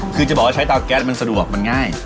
คือจะบอกว่าใช้เตาแก๊สมันสะดวกมันง่าย